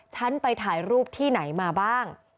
ฉันไปถ่ายรูปที่ไหนมาบ้าง